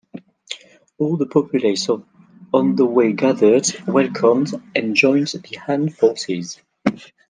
All the populace on the way gathered, welcomed, and joined the Han forces.